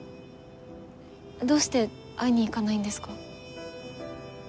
どうして会いに行かないんですか？